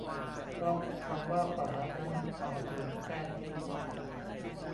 เพราะคำว่าป๋านั้นหมายถึงการทิ้ง